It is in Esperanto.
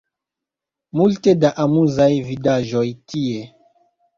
Multe da amuzaj vidaĵoj tie